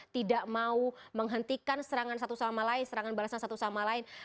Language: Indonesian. tidak mau menghentikan serangan satu sama lain